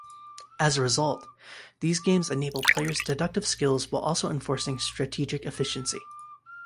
As a result, these games enable players' deductive skills while also enforcing strategic efficiency.